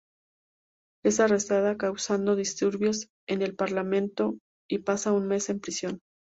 Es arrestada causando disturbios en el Parlamento y pasa un mes en prisión.